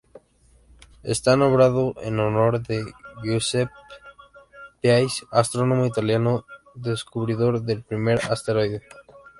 Está nombrado en honor de Giuseppe Piazzi, astrónomo italiano descubridor del primer asteroide.